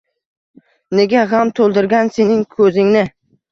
Nega g’am to’ldirgan sening ko’zingni?